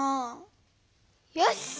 よし！